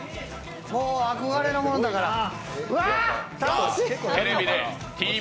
もう憧れのものだからな。